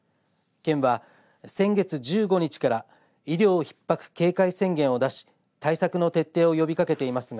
県は先月１５日から医療ひっ迫警戒宣言を出し対策の徹底を呼びかけていますが